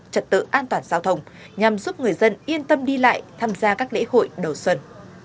trật tự an toàn giao thông nhằm giúp người dân yên tâm đi lại tham gia các lễ hội đầu xuân